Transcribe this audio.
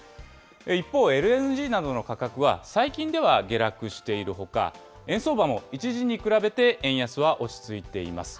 一方、ＬＮＧなどの価格は最近では下落しているほか、円相場も一時に比べて、円安は落ち着いています。